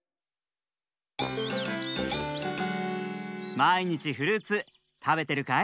まいにちフルーツたべてるかい？